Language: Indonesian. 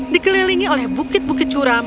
dikelilingi oleh bukit bukit curam